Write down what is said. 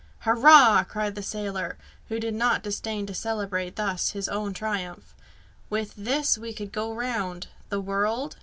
"Hurrah!" cried the sailor, who did not disdain to celebrate thus his own triumph. "With this we could go round " "The world?"